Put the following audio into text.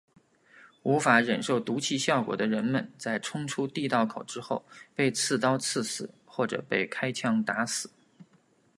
无法忍受毒气效果的人们在冲出地道口之后被刺刀刺死或者被开枪打死。